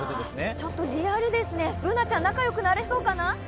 ちょっとリアルですね、Ｂｏｏｎａちゃん、仲良くなれそうかな？